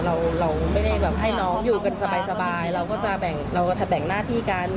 เราไม่ได้แบบให้น้องอยู่กันสบายเราก็จะแบ่งหน้าที่กัน